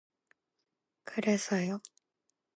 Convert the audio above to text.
그래서요.